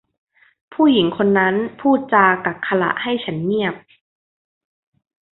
ผู้หญิงคนนั้นพูดจากักขฬะให้ฉันเงียบ